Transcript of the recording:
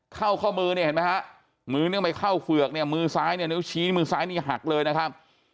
เข้าข้อมือเนี่ยเห็นไหมฮะมือนึงไปเข้าเฝือกเนี่ยมือซ้ายเนี่ยนิ้วชี้มือซ้ายนี่หักเลยนะครับ